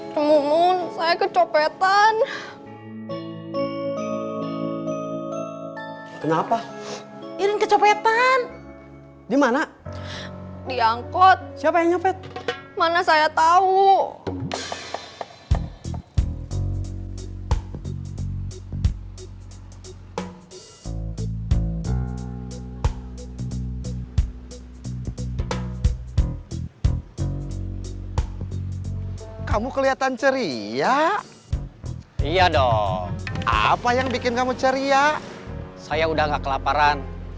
terus hp nya bisa ditelepon